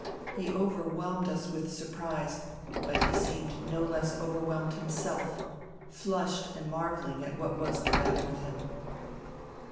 He overwhelmed us with surprise, but he seemed no less overwhelmed himself, flushed and marveUing at what was the matter with him.